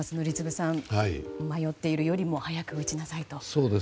宜嗣さん、迷っているよりも早く打ちなさいと。